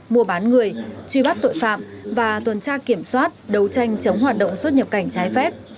mua bán người truy bắt tội phạm và tuần tra kiểm soát đấu tranh chống hoạt động xuất nhập cảnh trái phép